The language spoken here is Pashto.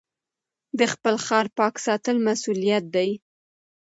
د خپل ښار پاک ساتل مسؤلیت دی.